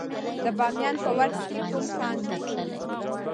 د بامیان په ورس کې کوم کان دی؟